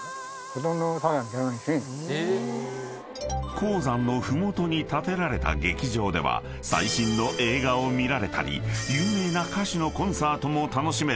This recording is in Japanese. ［鉱山の麓に建てられた劇場では最新の映画を見られたり有名な歌手のコンサートも楽しめる］